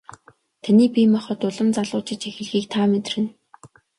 Таны бие махбод улам залуужиж эхлэхийг та мэдэрнэ.